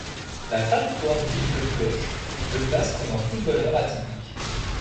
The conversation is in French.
La trajectoire d'Yves Le Floch le place comme un footballeur atypique.